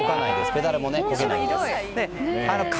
ペダルもこげないですけど。